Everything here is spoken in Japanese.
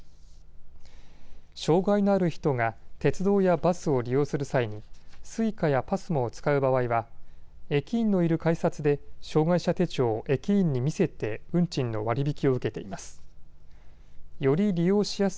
障害のある人が鉄道やバスを利用する際にＳｕｉｃａやＰＡＳＭＯを使う場合は駅員のいる改札で障害者手帳を駅員に見せて運賃の割引を受けています。